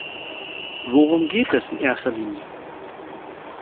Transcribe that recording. Worum geht es in erster Linie?